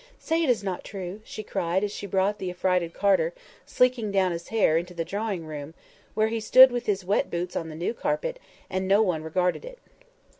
say it is not true," she cried, as she brought the affrighted carter, sleeking down his hair, into the drawing room, where he stood with his wet boots on the new carpet, and no one regarded it.